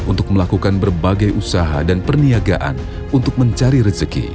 untuk melakukan hal yang berbeda